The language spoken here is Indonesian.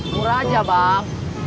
murah aja bang